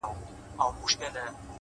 مهرباني د انسان نرم ځواک دی!.